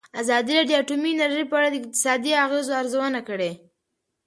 ازادي راډیو د اټومي انرژي په اړه د اقتصادي اغېزو ارزونه کړې.